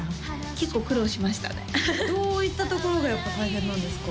結構苦労しましたねどういったところがやっぱ大変なんですか？